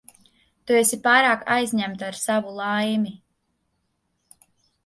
Tu esi pārāk aizņemta ar savu laimi.